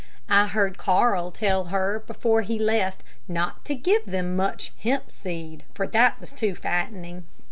I heard Carl tell her before he left not to give them much hemp seed, for that was too fattening.